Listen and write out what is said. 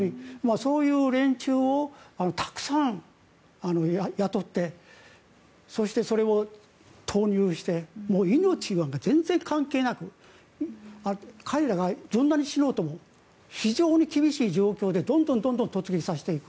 そういう連中をたくさん雇ってそして、それを投入して命なんか全然関係なく彼らがどんなに死のうとも非常に厳しい状況でどんどん突撃させていく。